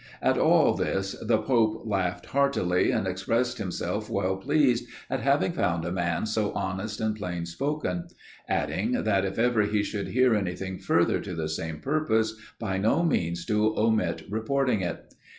At all this the pope laughed heartily, and expressed himself well pleased at having found a man so honest and plain spoken; adding, that if ever he should hear anything further to the same purpose, by no means to omit reporting it.